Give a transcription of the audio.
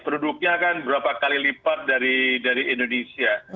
produknya kan berapa kali lipat dari indonesia